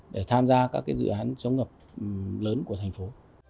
để tham gia các dự án chống ngập lớn của thành phố